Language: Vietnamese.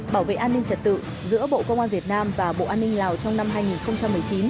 bảo vệ an ninh trật tự giữa bộ công an việt nam và bộ an ninh lào trong năm hai nghìn một mươi chín